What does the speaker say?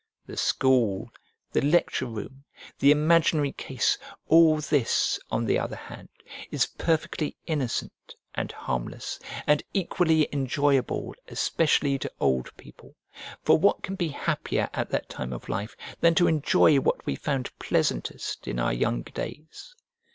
The school, the lecture room, the imaginary case, all this, on the other hand, is perfectly innocent and harmless, and equally enjoyable, especially to old people, for what can be happier at that time of life than to enjoy what we found pleasantest in our young days?